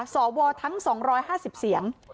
สวทั้ง๒๕๐เสียง